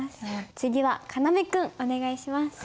次はかなめ君お願いします。